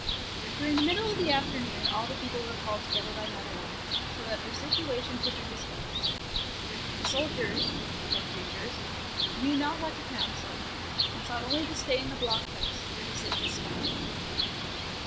During the middle of the afternoon all the people were called together by Madelon, so that their situation could 120 DEFENCE OF CASTLE DANGEROUS be discussed. The soldiers, poor crea tures, knew not what to counsel, and sought only to stay in the blockhouse, the safest spot.